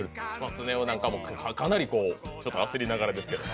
スネ夫なんかも、かなり焦りながらですけど。